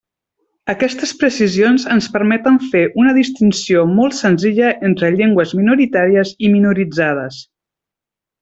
Aquestes precisions ens permeten fer una distinció molt senzilla entre llengües minoritàries i minoritzades.